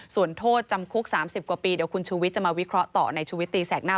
ส่วนโทษจำคุก๓๐กว่าปีเดี๋ยวคุณชูวิทย์จะมาวิเคราะห์ต่อในชีวิตตีแสกหน้า